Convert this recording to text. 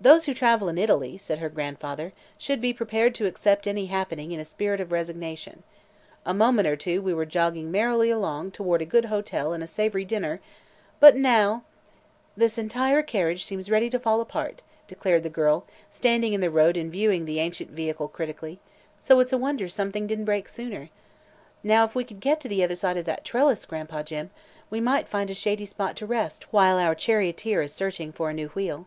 "Those who travel in Italy," said her grandfather, "should be prepared to accept any happening in a spirit of resignation. A moment ago we were jogging merrily along toward a good hotel and a savory dinner, but now " "This entire carriage seems ready to fall apart," declared the girl, standing in the road and viewing the ancient vehicle critically; "so it's a wonder something didn't break sooner. Now, if we could get to the other side of that trellis, Gran'pa Jim, we might find a shady spot to rest while our charioteer is searching for a new wheel."